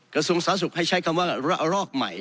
กระทรวงสาธารณสุขให้ใช้คำว่าระลอกใหม่